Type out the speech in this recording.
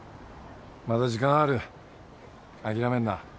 まだ時間はある諦めんな。